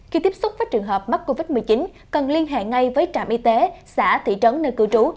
khi tiếp xúc với trường hợp mắc covid một mươi chín cần liên hệ ngay với trạm y tế xã thị trấn nơi cư trú